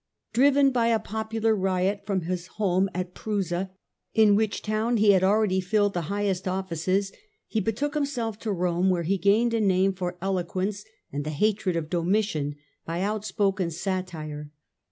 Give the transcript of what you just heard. Driven by a popular riot from his home at Prusa, in which town he had already filled the highest offices, he betook himself to Rome, where he gained a name by eloquence, and the hatred of Domitian by outspoken satire.